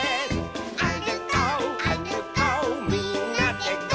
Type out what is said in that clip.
「あるこうあるこうみんなでゴー！」